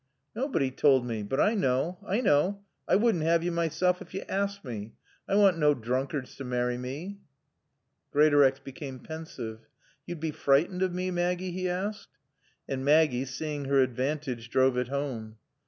"Naybody toald mae. But I knaw. I knaw. I wouldn't 'ave yo myself ef yo aassked mae. I want naw droonkards to marry mae." Greatorex became pensive. "Yo'd bae freetened o' mae, Maaggie?" he asked. And Maggie, seeing her advantage, drove it home.